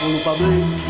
mau lupa beli